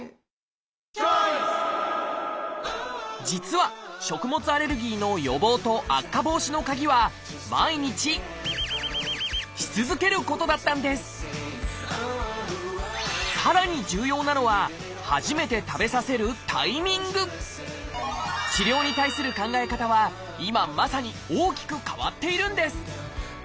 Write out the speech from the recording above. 実は食物アレルギーの予防と悪化防止のカギはさらに重要なのは治療に対する考え方は今まさに大きく変わっているんです。